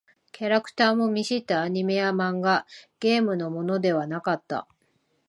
キャラクターも見知ったアニメや漫画、ゲームのものではなかった。